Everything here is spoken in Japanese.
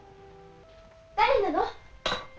誰なの？